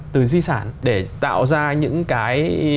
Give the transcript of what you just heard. từ di sản để tạo ra những cái